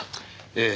ええ。